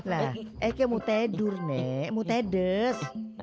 lah oke mau tidur nek mau tedes